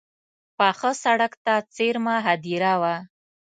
پاخه سړک ته څېرمه هدیره وه.